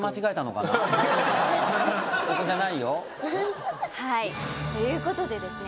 ここじゃないよフフッはいということでですね